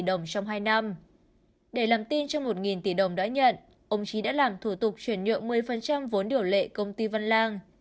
để làm tin trong một tỷ đồng đã nhận ông trí đã làm thủ tục chuyển nhượng một mươi vốn điều lệ công ty văn lang